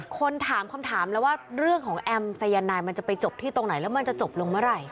คนถามคำถามแล้วว่าเรื่องของแอมสายนายมันจะไปจบที่ตรงไหนแล้วมันจะจบลงเมื่อไหร่